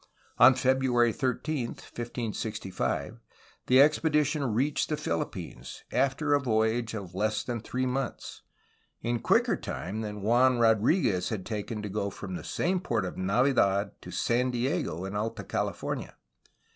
On February 13, 1565, the expedition reached the Phihppines, after a voyage of less than three months, — in quicker time than Juan Rodriguez had taken to go from the same port of Navidad to San Diego in Alta California!